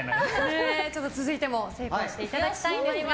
続いても成功していただきたいと思います。